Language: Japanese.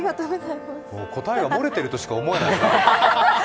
答えが漏れてるとしか思えない。